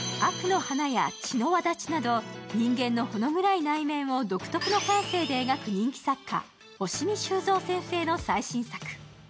「惡の華」や「血の轍」など人間のほの暗い内面を独特の感性で描く人気作家、押見修造先生の最新作。